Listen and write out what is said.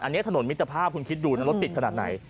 อันนี้ถนนมิตรภาพคุณคิดดูนะรถติดขนาดไหน